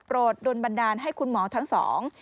โดนบันดาลให้คุณหมอทั้งสอง